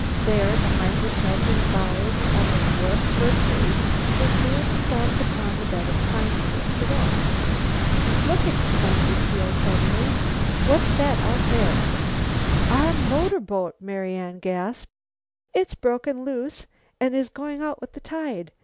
There, behind the sheltering boughs of a dwarf fir tree they threw themselves upon the bed of pine needles to rest. "Look!" exclaimed Lucile suddenly. "What's that out there?" "Our motorboat," Marian gasped. "It's broken loose and is going out with the tide.